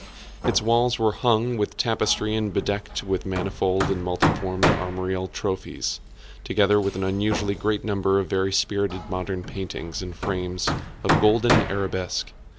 Its walls were hung with tapestry and bedecked with manifold and multiform armorial trophies, together with an unusually great number of very spirited modern paintings in frames of rich golden arabesque.